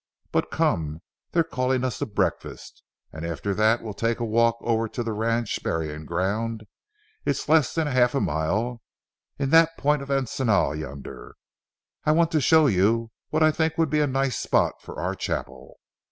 But come; they're calling us to breakfast, and after that we'll take a walk over to the ranch burying ground. It's less than a half mile—in that point of encinal yonder. I want to show you what I think would be a nice spot for our chapel."